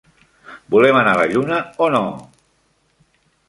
Volem anar a la Lluna o no?